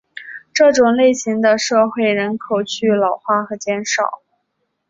这种类型的社会人口趋于老化和减少。